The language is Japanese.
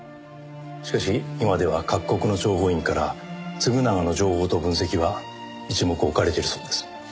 しかし今では各国の諜報員から嗣永の情報と分析は一目置かれているそうです。